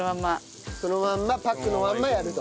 そのまんまパックのまんまやると。